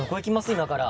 今から。